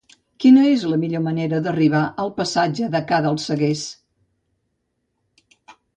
Quina és la millor manera d'arribar al passatge de Ca dels Seguers?